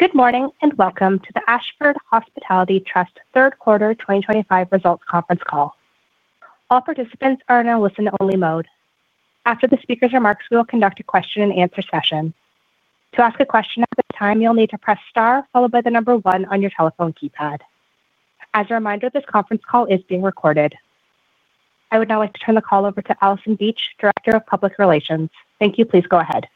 Good morning and welcome to the Ashford Hospitality Trust Third Quarter 2025 Results conference call. All participants are in a listen-only mode. After the speaker's remarks, we will conduct a question-and-answer session. To ask a question at this time, you'll need to press star followed by the number one on your telephone keypad. As a reminder, this conference call is being recorded. I would now like to turn the call over to Allison Beach, Director of Public Relations. Thank you. Please go ahead.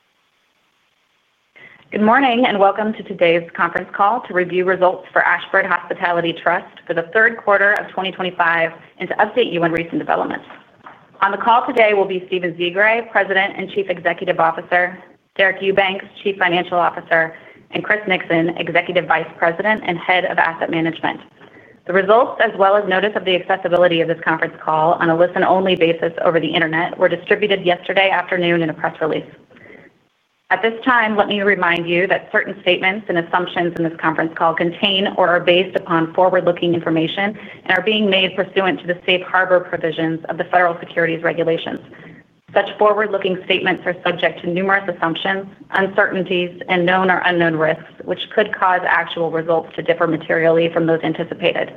Good morning and welcome to today's conference call to review results for Ashford Hospitality Trust for the third quarter of 2025 and to update you on recent developments. On the call today will be Stephen Zsigray, President and Chief Executive Officer; Deric Eubanks, Chief Financial Officer; and Chris Nixon, Executive Vice President and Head of Asset Management. The results, as well as notice of the accessibility of this conference call on a listen-only basis over the internet, were distributed yesterday afternoon in a press release. At this time, let me remind you that certain statements and assumptions in this conference call contain or are based upon forward-looking information and are being made pursuant to the safe harbor provisions of the federal securities regulations. Such forward-looking statements are subject to numerous assumptions, uncertainties, and known or unknown risks, which could cause actual results to differ materially from those anticipated.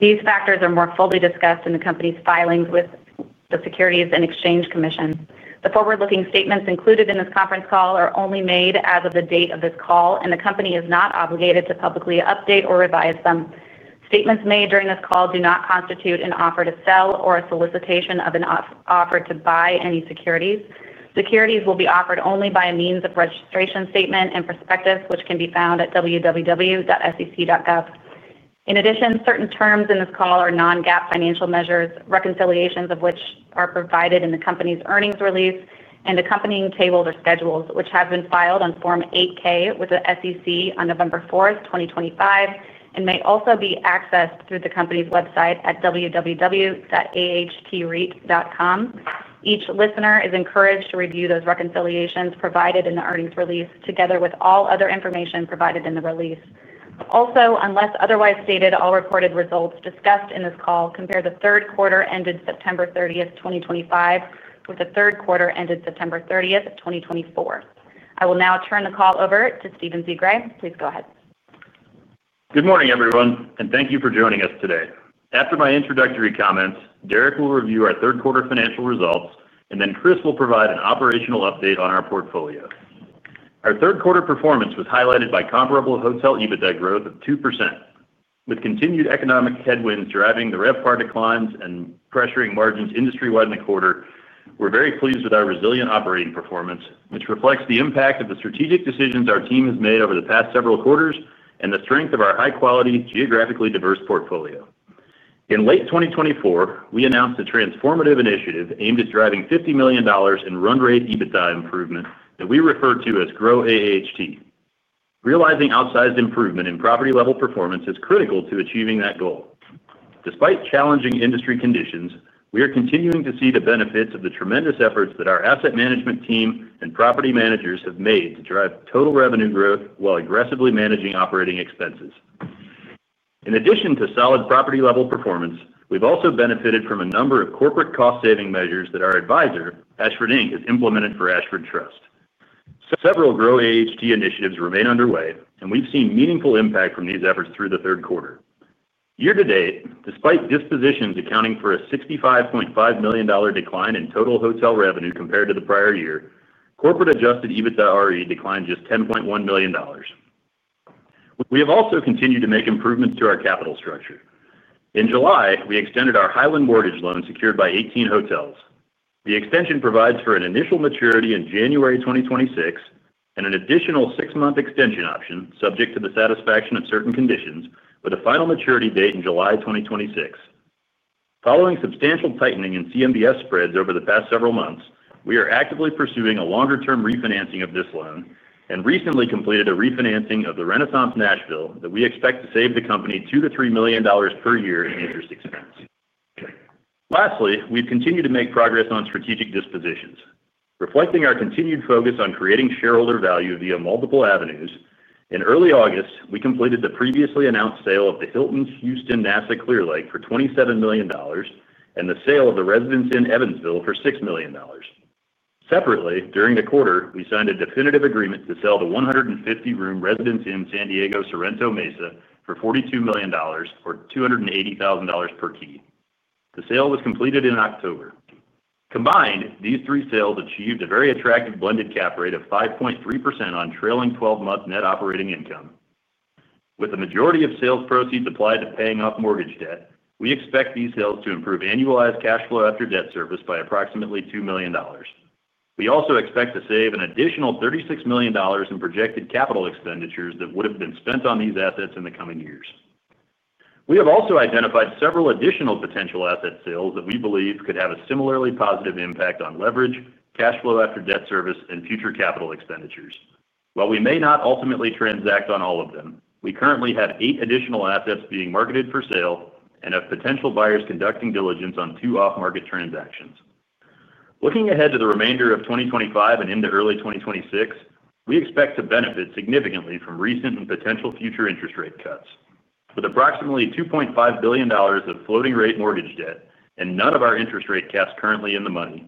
These factors are more fully discussed in the company's filings with the Securities and Exchange Commission. The forward-looking statements included in this conference call are only made as of the date of this call, and the company is not obligated to publicly update or revise them. Statements made during this call do not constitute an offer to sell or a solicitation of an offer to buy any securities. Securities will be offered only by a means of registration statement and prospectus, which can be found at www.sec.gov. In addition, certain terms in this call are non-GAAP financial measures, reconciliations of which are provided in the company's earnings release and accompanying tables or schedules, which have been filed on Form 8-K with the SEC on November 4th 2025, and may also be accessed through the company's website at www.ahtreit.com. Each listener is encouraged to review those reconciliations provided in the earnings release together with all other information provided in the release. Also, unless otherwise stated, all reported results discussed in this call compare the third quarter ended September 30th 2025, with the third quarter ended September 30th 2024. I will now turn the call over to Stephen Zsigray. Please go ahead. Good morning, everyone, and thank you for joining us today. After my introductory comments, Deric will review our third quarter financial results, and then Chris will provide an operational update on our portfolio. Our third quarter performance was highlighted by comparable hotel EBITDA growth of 2%. With continued economic headwinds driving the RevPAR declines and pressuring margins industry-wide in the quarter, we're very pleased with our resilient operating performance, which reflects the impact of the strategic decisions our team has made over the past several quarters and the strength of our high-quality, geographically diverse portfolio. In late 2024, we announced a transformative initiative aimed at driving $50 million in run-rate EBITDA improvement that we refer to as GRO AHT. Realizing outsized improvement in property-level performance is critical to achieving that goal. Despite challenging industry conditions, we are continuing to see the benefits of the tremendous efforts that our asset management team and property managers have made to drive total revenue growth while aggressively managing operating expenses. In addition to solid property-level performance, we've also benefited from a number of corporate cost-saving measures that our advisor, Ashford Inc, has implemented for Ashford Hospitality Trust. Several GRO AHT initiatives remain underway, and we've seen meaningful impact from these efforts through the third quarter. Year to date, despite dispositions accounting for a $65.5 million decline in total hotel revenue compared to the prior year, corporate-adjusted EBITDAre declined just $10.1 million. We have also continued to make improvements to our capital structure. In July, we extended our Highland mortgage loan secured by 18 hotels. The extension provides for an initial maturity in January 2026 and an additional six-month extension option subject to the satisfaction of certain conditions, with a final maturity date in July 2026. Following substantial tightening in CMBS spreads over the past several months, we are actively pursuing a longer-term refinancing of this loan and recently completed a refinancing of the Renaissance Nashville that we expect to save the company $2 million-$3 million per year in interest expense. Lastly, we've continued to make progress on strategic dispositions, reflecting our continued focus on creating shareholder value via multiple avenues. In early August, we completed the previously announced sale of the Hilton Houston NASA Clear Lake for $27 million and the sale of the Residence Inn Evansville for $6 million. Separately, during the quarter, we signed a definitive agreement to sell the 150-room Residence Inn San Diego Sorrento Mesa for $42 million, or $280,000 per key. The sale was completed in October. Combined, these three sales achieved a very attractive blended cap rate of 5.3% on trailing 12-month net operating income. With the majority of sales proceeds applied to paying off mortgage debt, we expect these sales to improve annualized cash flow after debt service by approximately $2 million. We also expect to save an additional $36 million in projected capital expenditures that would have been spent on these assets in the coming years. We have also identified several additional potential asset sales that we believe could have a similarly positive impact on leverage, cash flow after debt service, and future capital expenditures. While we may not ultimately transact on all of them, we currently have eight additional assets being marketed for sale and have potential buyers conducting diligence on two off-market transactions. Looking ahead to the remainder of 2025 and into early 2026, we expect to benefit significantly from recent and potential future interest rate cuts. With approximately $2.5 billion of floating-rate mortgage debt and none of our interest rate caps currently in the money,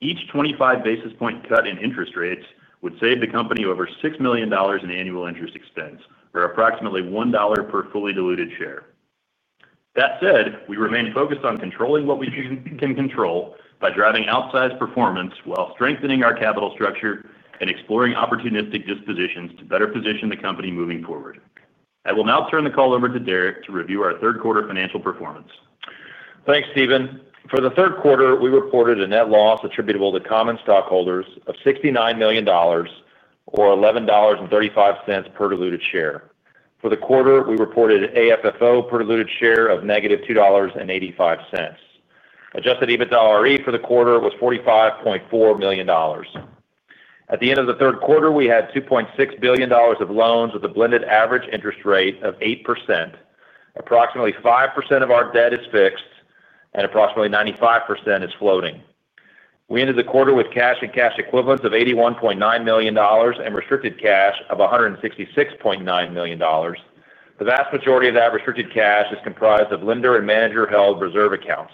each 25 basis point cut in interest rates would save the company over $6 million in annual interest expense, or approximately $1 per fully diluted share. That said, we remain focused on controlling what we can control by driving outsized performance while strengthening our capital structure and exploring opportunistic dispositions to better position the company moving forward. I will now turn the call over to Deric to review our third quarter financial performance. Thanks, Stephen. For the third quarter, we reported a net loss attributable to common stockholders of $69 million, or $11.35 per diluted share. For the quarter, we reported an AFFO per diluted share of -$2.85. Adjusted EBITDAre for the quarter was $45.4 million. At the end of the third quarter, we had $2.6 billion of loans with a blended average interest rate of 8%. Approximately 5% of our debt is fixed, and approximately 95% is floating. We ended the quarter with cash and cash equivalents of $81.9 million and restricted cash of $166.9 million. The vast majority of that restricted cash is comprised of lender and manager-held reserve accounts.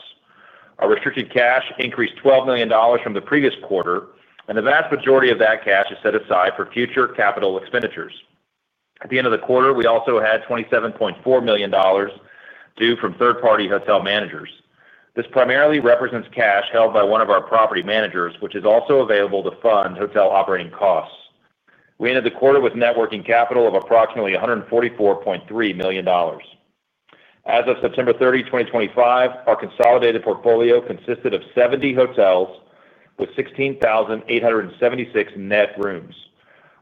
Our restricted cash increased $12 million from the previous quarter, and the vast majority of that cash is set aside for future capital expenditures. At the end of the quarter, we also had $27.4 million. Due from third-party hotel managers. This primarily represents cash held by one of our property managers, which is also available to fund hotel operating costs. We ended the quarter with net working capital of approximately $144.3 million. As of September 30, 2025, our consolidated portfolio consisted of 70 hotels with 16,876 net rooms.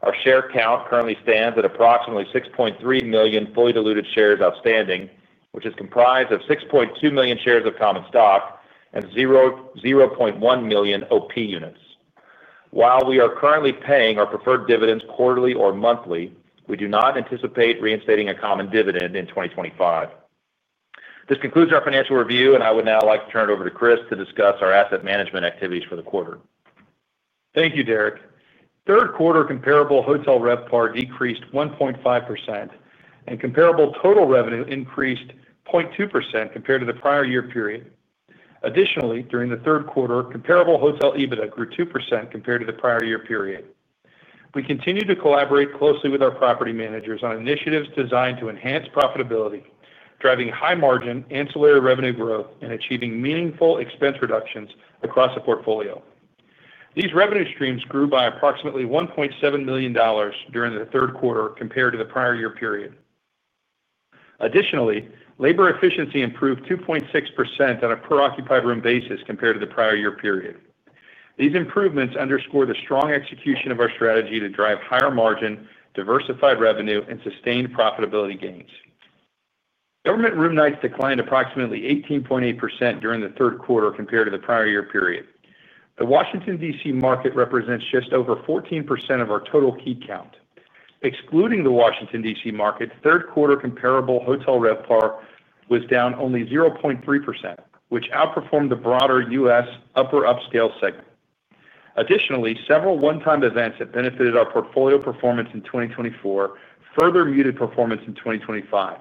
Our share count currently stands at approximately 6.3 million fully diluted shares outstanding, which is comprised of 6.2 million shares of common stock and 0.1 million OP units. While we are currently paying our preferred dividends quarterly or monthly, we do not anticipate reinstating a common dividend in 2025. This concludes our financial review, and I would now like to turn it over to Chris to discuss our asset management activities for the quarter. Thank you, Deric. Third-quarter comparable hotel RevPAR decreased 1.5%, and comparable total revenue increased 0.2% compared to the prior year period. Additionally, during the third quarter, comparable hotel EBITDA grew 2% compared to the prior year period. We continue to collaborate closely with our property managers on initiatives designed to enhance profitability, driving high-margin, ancillary revenue growth, and achieving meaningful expense reductions across the portfolio. These revenue streams grew by approximately $1.7 million during the third quarter compared to the prior year period. Additionally, labor efficiency improved 2.6% on a per-occupied room basis compared to the prior year period. These improvements underscore the strong execution of our strategy to drive higher margin, diversified revenue, and sustained profitability gains. Government room nights declined approximately 18.8% during the third quarter compared to the prior year period. The Washington, D.C. market represents just over 14% of our total key count. Excluding the Washington, D.C. market, third-quarter comparable hotel RevPAR was down only 0.3%, which outperformed the broader U.S. upper-upscale segment. Additionally, several one-time events that benefited our portfolio performance in 2024 further muted performance in 2025,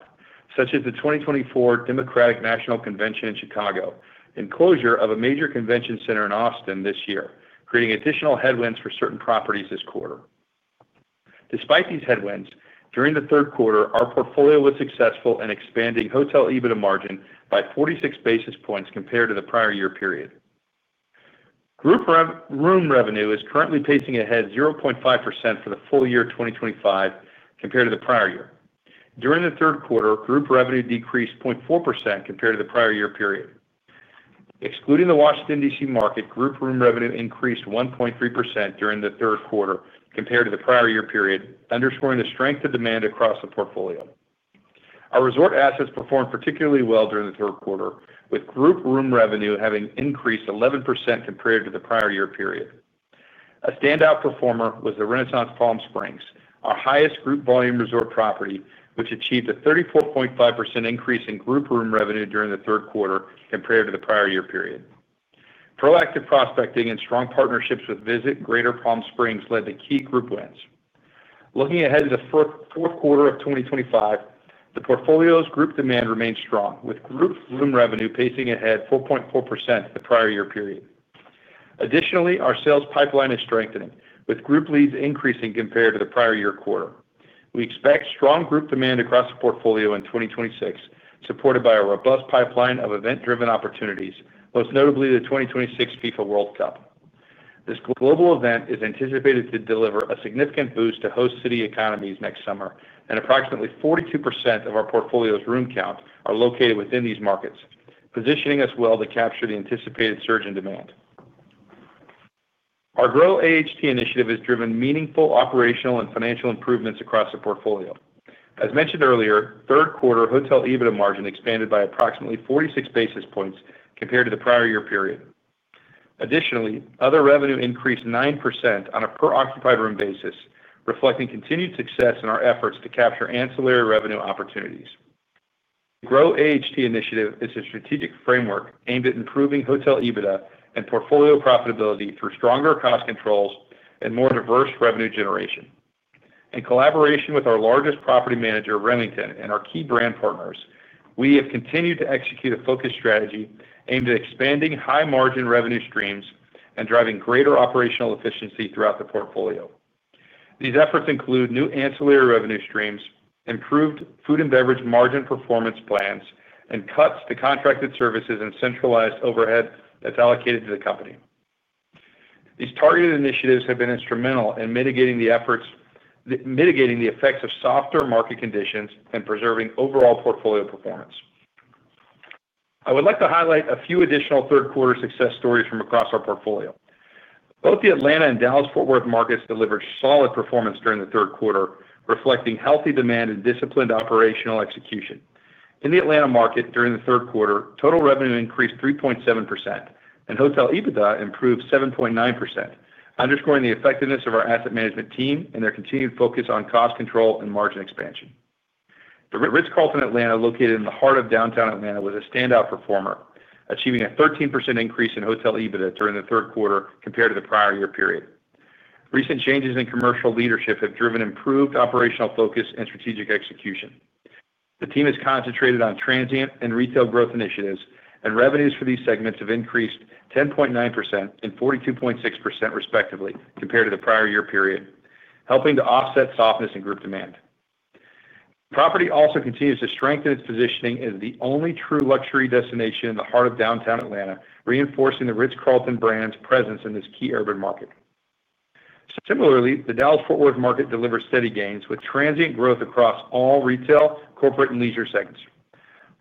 such as the 2024 Democratic National Convention in Chicago and closure of a major convention center in Austin this year, creating additional headwinds for certain properties this quarter. Despite these headwinds, during the third quarter, our portfolio was successful in expanding hotel EBITDA margin by 46 basis points compared to the prior year period. Group room revenue is currently pacing ahead 0.5% for the full year 2025 compared to the prior year. During the third quarter, group revenue decreased 0.4% compared to the prior year period. Excluding the Washington, D.C. market, group room revenue increased 1.3% during the third quarter compared to the prior year period, underscoring the strength of demand across the portfolio. Our resort assets performed particularly well during the third quarter, with group room revenue having increased 11% compared to the prior year period. A standout performer was the Renaissance Palm Springs, our highest group volume resort property, which achieved a 34.5% increase in group room revenue during the third quarter compared to the prior year period. Proactive prospecting and strong partnerships with Visit Greater Palm Springs led to key group wins. Looking ahead to the fourth quarter of 2025, the portfolio's group demand remained strong, with group room revenue pacing ahead 4.4% the prior year period. Additionally, our sales pipeline is strengthening, with group leads increasing compared to the prior year quarter. We expect strong group demand across the portfolio in 2026, supported by a robust pipeline of event-driven opportunities, most notably the 2026 FIFA World Cup. This global event is anticipated to deliver a significant boost to host city economies next summer, and approximately 42% of our portfolio's room count are located within these markets, positioning us well to capture the anticipated surge in demand. Our GRO AHT initiative has driven meaningful operational and financial improvements across the portfolio. As mentioned earlier, third-quarter hotel EBITDA margin expanded by approximately 46 basis points compared to the prior year period. Additionally, other revenue increased 9% on a per-occupied room basis, reflecting continued success in our efforts to capture ancillary revenue opportunities. The GRO AHT initiative is a strategic framework aimed at improving hotel EBITDA and portfolio profitability through stronger cost controls and more diverse revenue generation. In collaboration with our largest property manager, Remington, and our key brand partners, we have continued to execute a focused strategy aimed at expanding high-margin revenue streams and driving greater operational efficiency throughout the portfolio. These efforts include new ancillary revenue streams, improved food and beverage margin performance plans, and cuts to contracted services and centralized overhead that is allocated to the company. These targeted initiatives have been instrumental in mitigating the effects of softer market conditions and preserving overall portfolio performance. I would like to highlight a few additional third-quarter success stories from across our portfolio. Both the Atlanta and Dallas-Fort Worth markets delivered solid performance during the third quarter, reflecting healthy demand and disciplined operational execution. In the Atlanta market, during the third quarter, total revenue increased 3.7%, and hotel EBITDA improved 7.9%, underscoring the effectiveness of our asset management team and their continued focus on cost control and margin expansion. The Ritz-Carlton Atlanta, located in the heart of downtown Atlanta, was a standout performer, achieving a 13% increase in hotel EBITDA during the third quarter compared to the prior year period. Recent changes in commercial leadership have driven improved operational focus and strategic execution. The team is concentrated on transient and retail growth initiatives, and revenues for these segments have increased 10.9% and 42.6%, respectively, compared to the prior year period, helping to offset softness in group demand. Property also continues to strengthen its positioning as the only true luxury destination in the heart of downtown Atlanta, reinforcing the Ritz-Carlton brand's presence in this key urban market. Similarly, the Dallas-Fort Worth market delivered steady gains with transient growth across all retail, corporate, and leisure segments.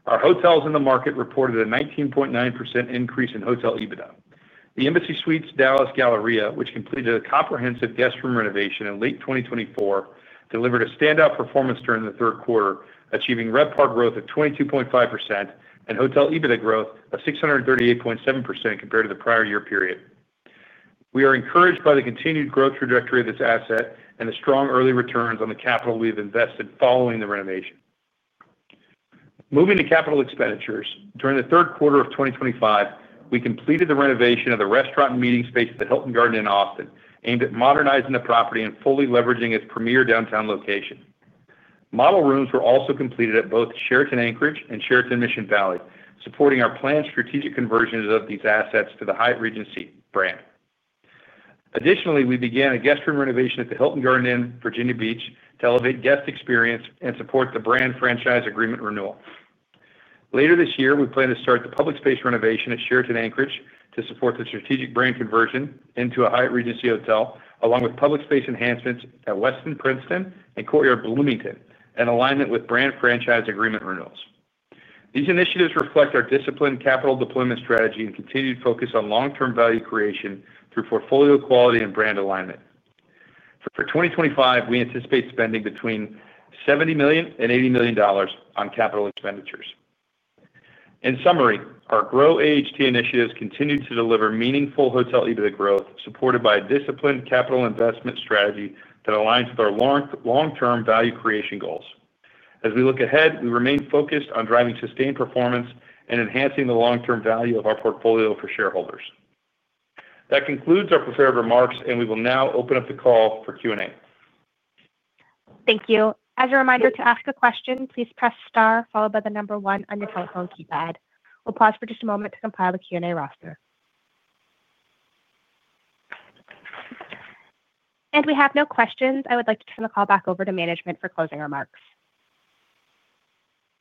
Our hotels in the market reported a 19.9% increase in hotel EBITDA. The Embassy Suites Dallas, Galleria, which completed a comprehensive guest room renovation in late 2024, delivered a standout performance during the third quarter, achieving RevPAR growth of 22.5% and hotel EBITDA growth of 638.7% compared to the prior year period. We are encouraged by the continued growth trajectory of this asset and the strong early returns on the capital we've invested following the renovation. Moving to capital expenditures, during the third quarter of 2025, we completed the renovation of the restaurant and meeting space at the Hilton Garden Inn Austin, aimed at modernizing the property and fully leveraging its premier downtown location. Model rooms were also completed at both Sheraton Anchorage and Sheraton Mission Valley, supporting our planned strategic conversion of these assets to the Hyatt Regency brand. Additionally, we began a guest room renovation at the Hilton Garden Inn, Virginia Beach to elevate guest experience and support the brand franchise agreement renewal. Later this year, we plan to start the public space renovation at Sheraton Anchorage to support the strategic brand conversion into a Hyatt Regency hotel, along with public space enhancements at Westin Princeton and Courtyard Bloomington, in alignment with brand franchise agreement renewals. These initiatives reflect our disciplined capital deployment strategy and continued focus on long-term value creation through portfolio quality and brand alignment. For 2025, we anticipate spending between $70 million and $80 million on capital expenditures. In summary, our GRO AHT initiatives continue to deliver meaningful hotel EBITDA growth, supported by a disciplined capital investment strategy that aligns with our long-term value creation goals. As we look ahead, we remain focused on driving sustained performance and enhancing the long-term value of our portfolio for shareholders. That concludes our prepared remarks, and we will now open up the call for Q&A. Thank you. As a reminder, to ask a question, please press star followed by the number one on your telephone keypad. We'll pause for just a moment to compile the Q&A roster. If we have no questions, I would like to turn the call back over to management for closing remarks.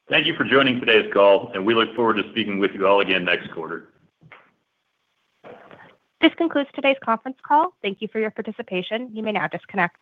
Thank you for joining today's call, and we look forward to speaking with you all again next quarter. This concludes today's conference call. Thank you for your participation. You may now disconnect.